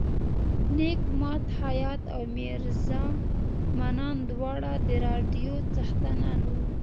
نیک ماد خیاط او میرزا منان دواړه د راډیو څښتنان وو.